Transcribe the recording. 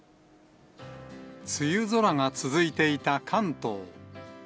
梅雨空が続いていた関東。